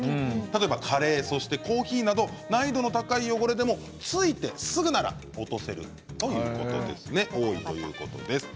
例えばカレー、コーヒーなど難易度の高い汚れでもついてすぐなら落とせることが多いということです。